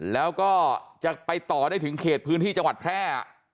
แล้วก็จะไปต่อได้ถึงเขตพื้นที่จังหวัดแพร่